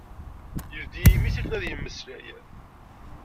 Yeldi imi-s akken ad yemmeslay.